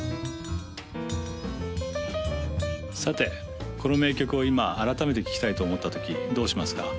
さてこの名曲を今改めて聴きたいと思ったときどうしますか？